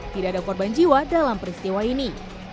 tidak ada korban jiwa dalam peristiwa ini